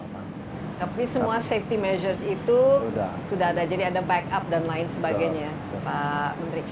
tapi semua safety measures itu sudah ada jadi ada backup dan lain sebagainya pak menteri